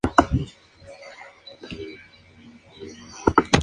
Fue además Procurador de los Consejos reales y acumuló bastante fortuna.